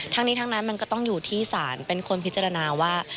ทั้งนี้ทั้งนั้นมันก็ต้องอยู่ที่ศาลเป็นคนพิจารณาว่า